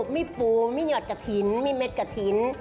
มีปูมีหยอดกระถิ่นมีเม็ดกระถิ่น